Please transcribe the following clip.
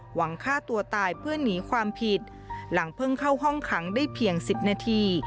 หวังฆ่าตัวตายเพื่อหนีความผิดหลังเพิ่งเข้าห้องขังได้เพียง๑๐นาที